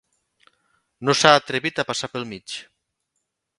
No s'ha atrevit a passar pel mig.